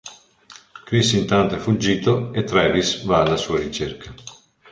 Chris intanto è fuggito e Travis va alla sua ricerca.